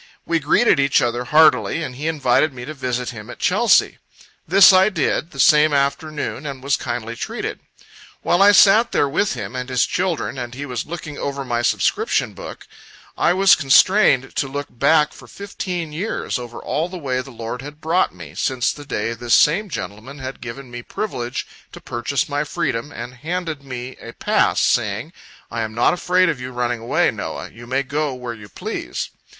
We greeted each other heartily, and he invited me to visit him at Chelsea. This I did, the same afternoon, and was kindly treated. While I sat there with him and his children, and he was looking over my subscription book, I was constrained to look back for fifteen years, over all the way the Lord had brought me, since the day this same gentleman had given me privilege to purchase my freedom, and handed me a pass, saying, "I am not afraid of you running away, Noah you may go where you please."